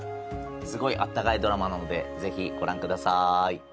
すごい温かいドラマなのでぜひご覧ください